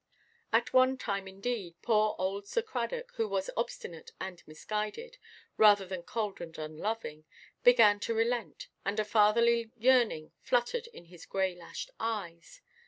At one time, indeed, poor old Sir Cradock, who was obstinate and misguided, rather than cold and unloving, began to relent, and a fatherly yearning fluttered in his grey–lashed eyes.